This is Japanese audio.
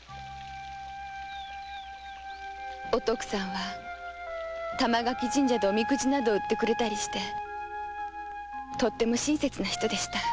おとくさんは玉垣神社でおみくじなどを売ってくれたりした親切な人でした。